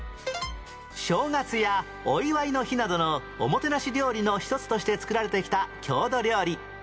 正月やお祝いの日などのおもてなし料理の一つとして作られてきた郷土料理